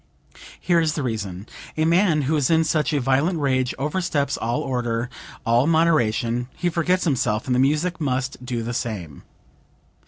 Here is the reason: a man who is in such a violent rage oversteps all order, all moderation; he forgets himself, and the music must do the same.